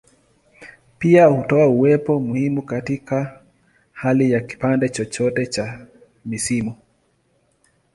Pia hutoa uwepo muhimu katika hali ya kipande chote cha misimu.